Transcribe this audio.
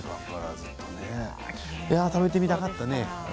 食べてみたかったね。